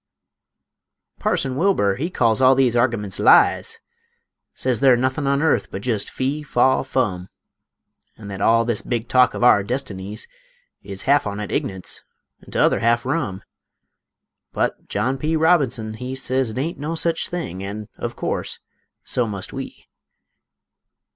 Parson Wilbur he calls all these argimunts lies; Sez they're nothin' on airth but jest fee, faw, fum; An' thet all this big talk of our destinies Is half on it ign'ance, an' t'other half rum; But John P. Robinson he Sez it ain't no sech thing; an', of course, so must we.